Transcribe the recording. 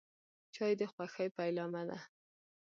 چای د خوښۍ پیلامه ده.